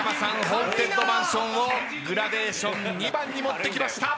ホーンテッドマンションをグラデーション２番に持ってきました。